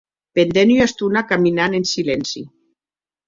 Pendent ua estona caminam en silenci.